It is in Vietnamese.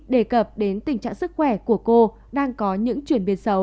đề cập đến tình trạng sức khỏe của cô đang có những chuyển biến xấu